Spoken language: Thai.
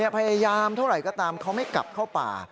พยายามเท่าไหร่ก็ตามเขาไม่กลับเข้าป่า